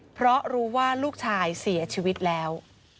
เพราะรู้ว่าลูกชายเสียชีวิตแล้ว